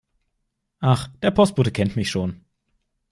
Ach, der Postbote kennt mich schon.